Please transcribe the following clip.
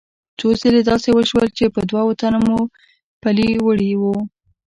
څو ځله داسې وشول چې په دوو تنو مو پلي وړي وو.